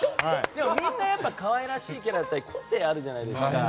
でも、みんな可愛らしいキャラだったり個性があるじゃないですか。